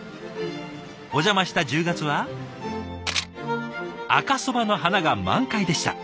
お邪魔した１０月は赤蕎麦の花が満開でした。